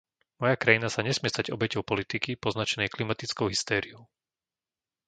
Moja krajina sa nesmie stať obeťou politiky poznačenej klimatickou hystériou.